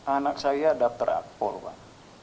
anak saya daftar akpol pak